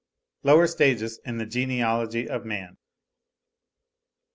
LOWER STAGES IN THE GENEALOGY OF MAN.